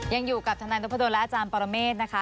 ยังอยู่กับทนายนพดลและอาจารย์ปรเมฆนะคะ